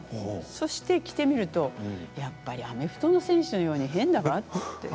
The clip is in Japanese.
そうして着てみるとやっぱりアメフトの選手のように変だわって。